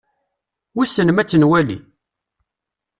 Wissen ma ad tt-nwali?